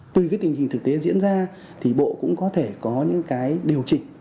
tùy cái tình hình thực tế diễn ra thì bộ cũng có thể có những cái điều chỉnh